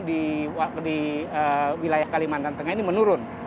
di wilayah kalimantan tengah ini menurun